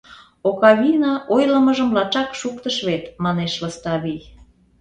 — Окавийна ойлымыжым лачак шуктыш вет, — манеш Лыставий.